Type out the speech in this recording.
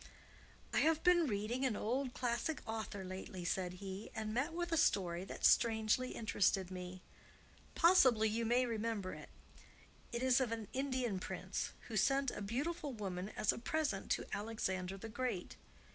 "I have been reading an old classic author lately," said he, "and met with a story that strangely interested me. Possibly you may remember it. It is of an Indian prince, who sent a beautiful woman as a present to Alexander the Great.